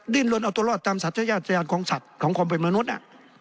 ดินลนเอาตัวรอดตามสัญญาณสัญญาณของสัตว์ของความเป็นมนุษย์อะ